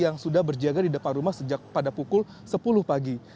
yang sudah berjaga di depan rumah sejak pada pukul sepuluh pagi